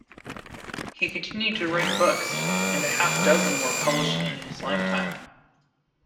He continued to write books, and a half dozen were published in his lifetime.